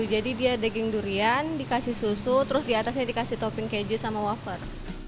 dia daging durian dikasih susu terus diatasnya dikasih topping keju sama wafer